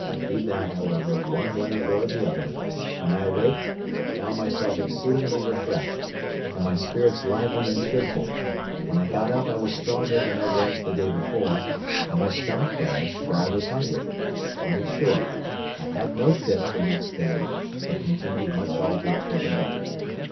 Be that, however, one way or the other, when I awaked I found myself exceedingly refreshed, and my spirits lively and cheerful; when I got up I was stronger than I was the day before, and my stomach better, for I was hungry; and, in short, I had no fit the next day, but continued much altered for the better.